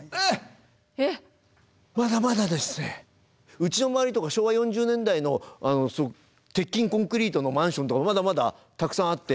うちの周りとか昭和４０年代の鉄筋コンクリートのマンションとかまだまだたくさんあって。